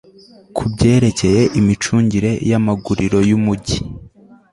ku byerekeye imicungire y'amaguriro y'umugi